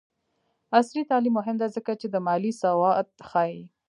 عصري تعلیم مهم دی ځکه چې د مالي سواد ښيي.